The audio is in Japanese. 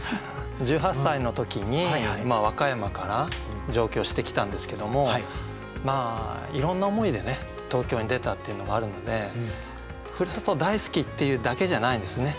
１８歳の時に和歌山から上京してきたんですけどもいろんな思いで東京に出たっていうのがあるのでふるさと大好きっていうだけじゃないんですよね。